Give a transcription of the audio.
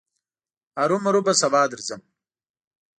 هرو مرو به سبا درځم.